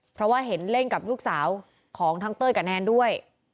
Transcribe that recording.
เพราะว่าเห็นเล่นกับลูกสาวของทั้งเต้ยกับแนนด้วย